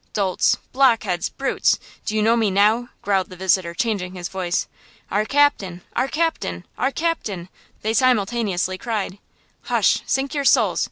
"Dolts! blockheads! brutes! Do you know me now?" growled the visitor, changing his voice. "Our captain!" "Our captain!" "Our captain!" they simultaneously cried. "Hush! sink your souls!